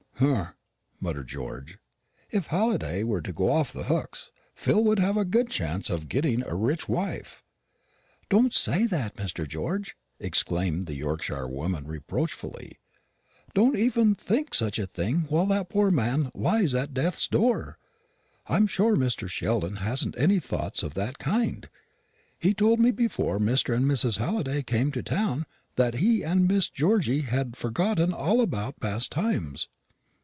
"Humph!" muttered George; "if Halliday were to go off the hooks, Phil would have a good chance of getting a rich wife." "Don't say that, Mr. George," exclaimed the Yorkshirewoman reproachfully; "don't even think of such a thing while that poor man lies at death's door. I'm sure Mr. Sheldon hasn't any thoughts of that kind. He told me before Mr. and Mrs. Halliday came to town that he and Miss Georgy had forgotten all about past times."